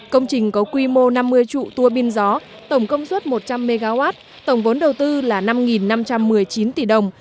công trình có quy mô năm mươi trụ tùa pin gió tổng công suất một trăm linh mw tổng vốn đầu tư là năm năm trăm một mươi chín tỷ đồng